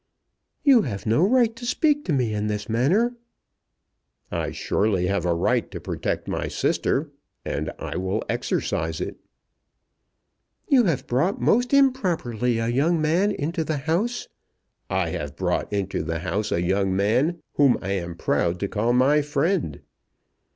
"You have no right to speak to me in this manner." "I surely have a right to protect my sister, and I will exercise it." "You have brought most improperly a young man into the house " "I have brought into the house a young man whom I am proud to call my friend."